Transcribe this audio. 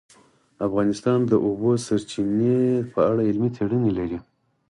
افغانستان د د اوبو سرچینې په اړه علمي څېړنې لري.